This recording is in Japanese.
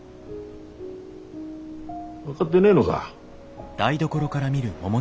分がってねえのが？